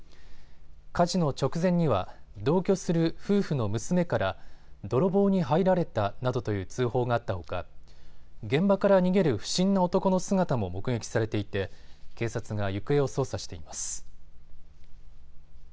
火事の直前には同居する夫婦の娘から泥棒に入られたなどという通報があったほか現場から逃げる不審な男の姿も目撃されていて警察が行方を捜査しています。